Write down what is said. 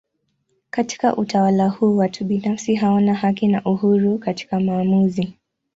Katika utawala huu watu binafsi hawana haki na uhuru katika maamuzi.